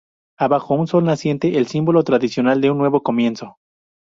Abajo, un sol naciente, el símbolo tradicional de un nuevo comienzo.